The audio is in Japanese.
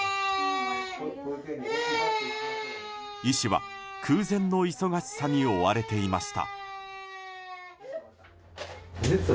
医師は、空前の忙しさに追われていました。